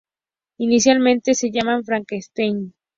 Inicialmente se llamaban Frankenstein.